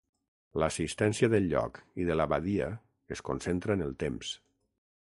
L'assistència del lloc i de l'abadia es concentra en el temps.